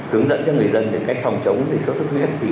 hướng dẫn cho người dân về cách phòng chống dịch sốt xuất huyết